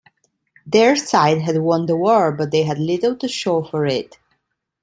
Their side had won the war, but they had little to show for it.